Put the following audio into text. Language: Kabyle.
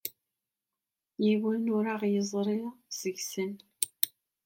Yiwen ur aɣ-tt-yeẓra seg-sen.